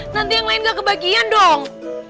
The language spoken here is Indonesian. nanti yang lain gak kebagian dong